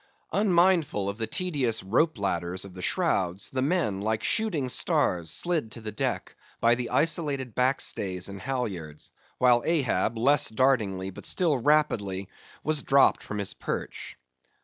Unmindful of the tedious rope ladders of the shrouds, the men, like shooting stars, slid to the deck, by the isolated backstays and halyards; while Ahab, less dartingly, but still rapidly was dropped from his perch.